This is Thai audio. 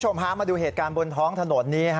พามาดูเหตุการณ์บนท้องถนนนี้